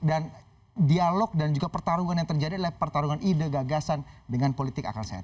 dan dialog dan juga pertarungan yang terjadi adalah pertarungan ide gagasan dengan politik akal sehat